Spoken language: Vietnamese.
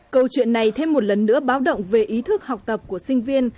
câu chuyện này thêm một lần nữa báo động về ý thức học tập của sinh viên